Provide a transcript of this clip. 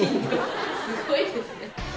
すごいですね。